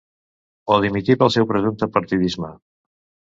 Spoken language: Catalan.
O dimitir pel seu presumpte partidisme.